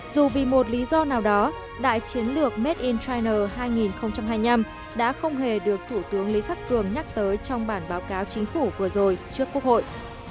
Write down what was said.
dù vì một lý do nào đó đại chiến lược made in china hai nghìn hai mươi năm đã không hề được thủ tướng lý khắc cường nhắc tới trong bản báo cáo chính phủ vừa rồi trước quốc hội